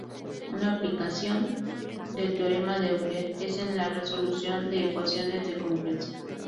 Una aplicación del teorema de Euler es en la resolución de ecuaciones de congruencia.